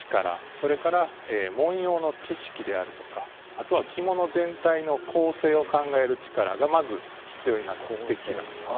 それから文様の知識であるとかあとは着物全体の構成を考える力がまず必要になってきます。